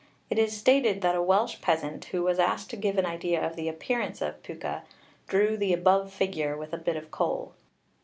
It is stated that a Welsh peasant who was asked to give an idea of the appearance of Pwca, drew the above figure with a bit of coal.